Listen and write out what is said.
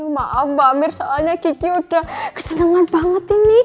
maaf mbak amir soalnya kiki udah kesenangan banget ini